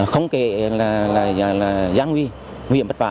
không kể là gian nguy nguy hiểm vất vả